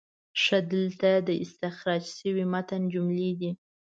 ښه، دلته د استخراج شوي متن جملې دي: